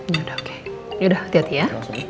yaudah oke yaudah hati hati ya